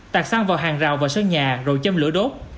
tạc xăng vào hàng rào và sơn nhà rồi châm lửa đốt